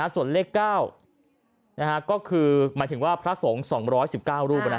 ส่วนเลข๙ก็คือหมายถึงว่าพระสงฆ์๒๑๙รูป